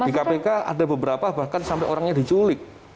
di kpk ada beberapa bahkan sampai orangnya diculik